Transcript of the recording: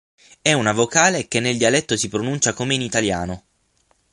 È una vocale che nel dialetto si pronuncia come in italiano.